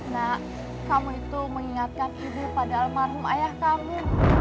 nah kamu itu mengingatkan ibu pada almarhum ayah kamu